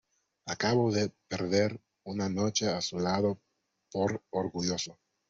acabo de perder una noche a su lado por orgulloso.